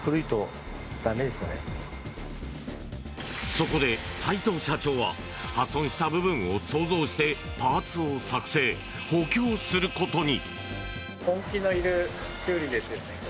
そこで齋藤社長は破損した部分を想像してパーツを作成・補強することに。